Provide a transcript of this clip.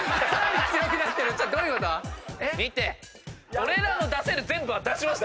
俺らの出せる全部は出しました。